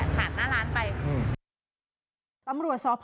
อย่างนี้แหละถาดหน้าร้านไป